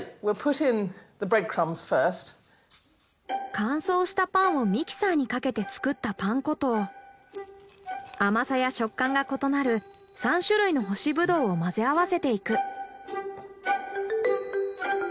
乾燥したパンをミキサーにかけて作ったパン粉と甘さや食感が異なる３種類の干しブドウを混ぜ合わせていく。